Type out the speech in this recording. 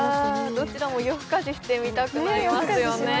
どちらも夜更かしして見たくなりますよね。